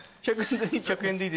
１００円でいい？